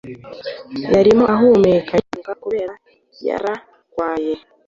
Yarimo ahumeka yiruka kubera yara rwaye